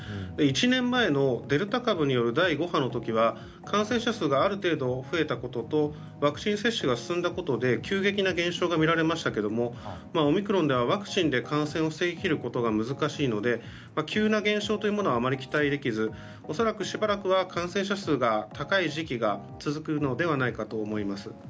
１年前のデルタ株による第５波の時は感染者数がある程度増えたこととワクチン接種が進んだことで急激な減少が見られましたがオミクロンではワクチンで感染を防ぎ切ることが難しいので、急な減少というのはあまり期待できず恐らくしばらくは感染者数が高い時期が続くのではないかと思います。